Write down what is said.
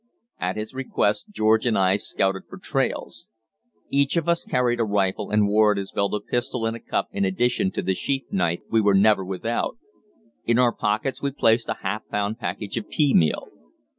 At his request George and I scouted for trails. Each of us carried a rifle and wore at his belt a pistol and a cup in addition to the sheath knife we never were without. In our pockets we placed a half pound package of pea meal.